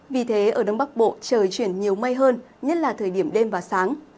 vì thế ở đông bắc bộ trời chuyển nhiều mây hơn nhất là thời điểm đêm và sáng